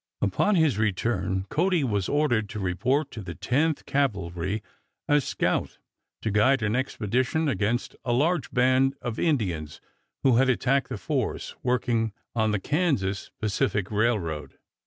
Upon his return Cody was ordered to report to the Tenth Cavalry as scout to guide an expedition against a large band of Indians who had attacked the force working on the Kansas Pacific Railroad.